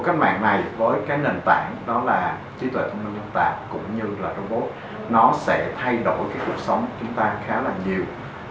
cách mạng này với nền tảng trí tuệ thông minh nhân tạng cũng như robot sẽ thay đổi cuộc sống của chúng ta khá là nhiều